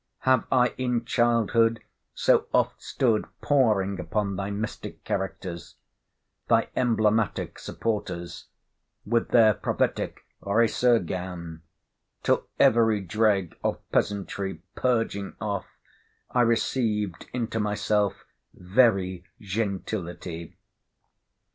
have I in childhood so oft stood poring upon thy mystic characters—thy emblematic supporters, with their prophetic "Resurgam"—till, every dreg of peasantry purging off, I received into myself Very Gentility?